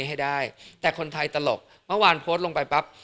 ให้ได้แต่คนไทยตลกเมื่อวานโพสต์ลงไปปั๊บ